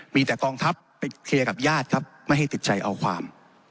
มีแต่กองทัพไปเคลียร์กับญาติครับไม่ให้ติดใจเอาความ